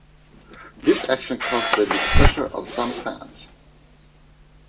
This action caused the displeasure of some fans.